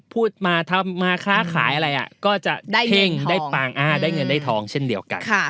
พูดง่ายถ้ามาค้าขายอะไรก็จะได้เงินได้ทองเช่นเดียวกัน